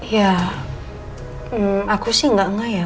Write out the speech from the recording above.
ya aku sih gak ngeh ya